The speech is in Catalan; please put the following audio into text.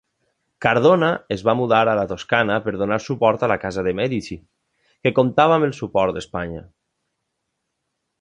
Cardona es va mudar a la Toscana per donar suport a la Casa de Mèdici, que comptava amb el suport d'Espanya.